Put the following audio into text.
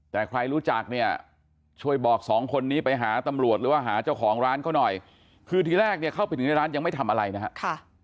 แต่ใครรู้จักเนี่ยช่วยบอกสองคนนี้ไปหาตำรวจหรือว่าหาเจ้าของร้านเขาหน่อยคือทีแรกเนี่ยเข้าไปถึงในร้านยังไม่ทำอะไรนะครับ